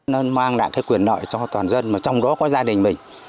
nó mang lại cái quyền nợ cho toàn dân mà trong đó có gia đình mình